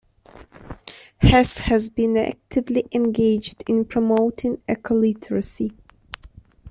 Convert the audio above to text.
Hass has been actively engaged in promoting ecoliteracy.